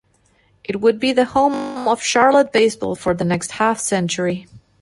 It would be the home of Charlotte baseball for the next half-century.